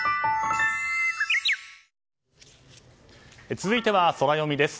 続いてはソラよみです。